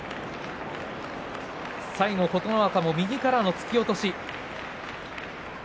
最後、琴ノ若右からの突き落とし。